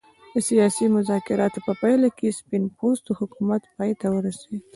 د سیاسي مذاکراتو په پایله کې سپین پوستو حکومت پای ته ورسېد.